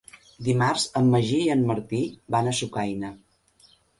Dimarts en Magí i en Martí van a Sucaina.